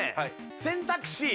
選択肢